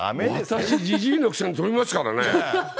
私、じじいのくせに飛びますからね。